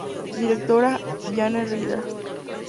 Directora: Jane Ryder.